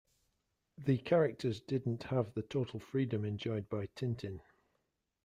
The characters didn't have the total freedom enjoyed by Tintin...